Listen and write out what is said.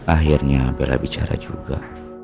akhirnya bel abicara juga